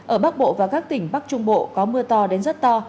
ở bắc bộ và các tỉnh bắc trung bộ có mưa to đến rất to